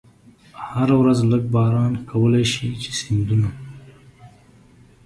هره ورځ لږ باران کولای شي چې سیندونه.